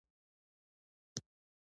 • باران د طبیعت ښکلا نوره هم ډېروي.